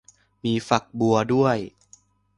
มีฝักบัวด้วย